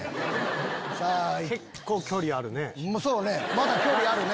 まだ距離あるね。